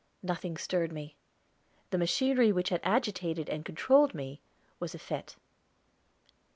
Nothing stirred me; the machinery which had agitated and controlled me was effete.